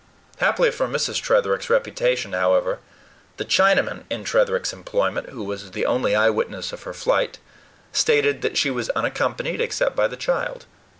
Happily for Mrs. Tretherick's reputation, however, the Chinaman in Tretherick's employment, who was the only eyewitness of her flight, stated that she was unaccompanied, except by the child.